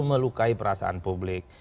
melukai perasaan publik